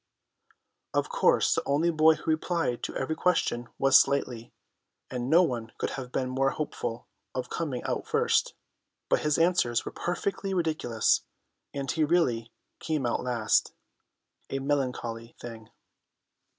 Of course the only boy who replied to every question was Slightly, and no one could have been more hopeful of coming out first, but his answers were perfectly ridiculous, and he really came out last: a melancholy thing.